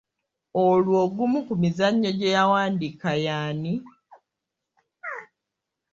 Olwo ogumu ku mizannyo gye yawandiika y'ani?